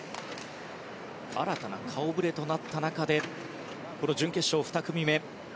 新たな顔ぶれとなった中でこの準決勝、２組目。